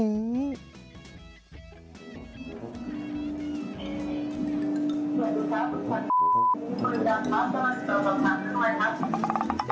คุณคุณอยู่ด้านข้างสามารถเปิดคำถามกันหน่อยครับ